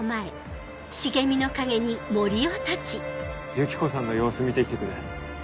ユキコさんの様子見て来てくれ。